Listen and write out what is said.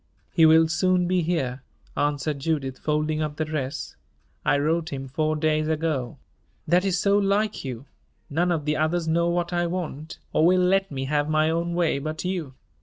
"He will soon be here," answered Judith, folding up the dress. "I wrote him four days ago." "That is so like you! None of the others know what I want, or will let me have my own way, but you."